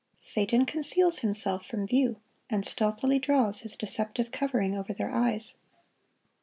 Satan conceals himself from view, and stealthily draws his deceptive covering over their eyes.